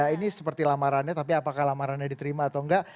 ini seperti lamarannya tapi apakah lamarannya diterima atau enggak